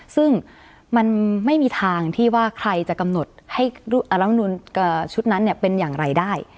ซึ่งมันไม่มีทางที่ว่าใครจะกำหนดให้รัฐมนุนชุดนั้นเป็นอย่างไรได้